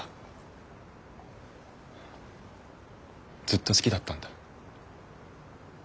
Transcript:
ずっと好きだったんだ。